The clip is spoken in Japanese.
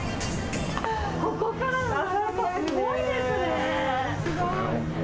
ここからの眺め、すごいですね。